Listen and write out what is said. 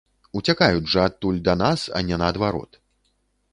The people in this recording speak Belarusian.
Уцякаюць жа адтуль да нас, а не наадварот.